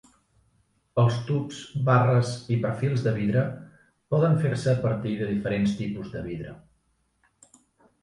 Els tubs, barres i perfils de vidre poden fer-se a partir de diferents tipus de vidre.